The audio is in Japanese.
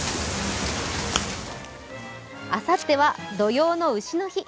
あさっては土用の丑の日。